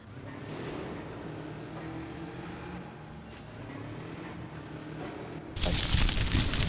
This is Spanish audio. Las figuras ganan en plasticidad y hay un evidente "sentido del espacio".